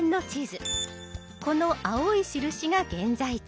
この青い印が現在地